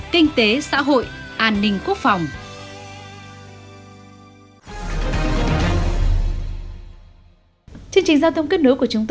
kinh tế xã hội an ninh quốc phòng